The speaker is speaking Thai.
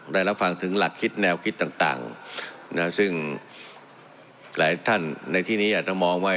ได้รับฟังถึงหลักคิดแนวคิดต่างนะซึ่งหลายท่านในที่นี้อาจจะมองไว้